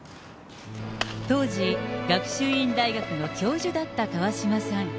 当時、学習院大学の教授だった川嶋さん。